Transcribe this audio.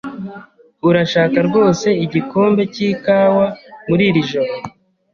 Urashaka rwose igikombe cy'ikawa muri iri joro?